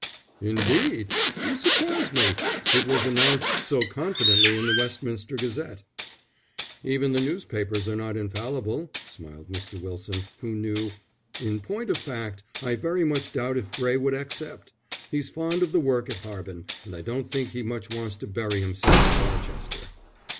"Indeed! You surprise me. It was announced so confidently in the Westminster Gazette." "Even the newspapers are not infallible," smiled Mr. Wilson, who knew. "In point of fact, I very much doubt if Gray would accept. He's fond of the work at Harbin, and I don't think he much wants to bury himself at Barchester."